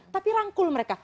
tapi rangkul mereka